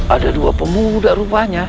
ada dua pemuda rupanya